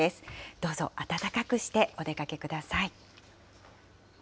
どうぞ、暖かくしてお出かけください。